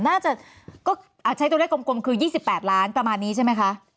น่าจะก็ใช้ตัวเลขกลมคือ๒๘ล้านประมาณนี้ใช่ไหมคะ